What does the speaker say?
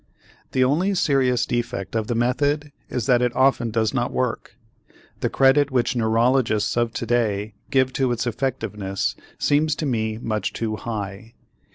The only serious defect of the method is that it often does not work. The credit which neurologists of today give to its effectiveness seems to me much too high.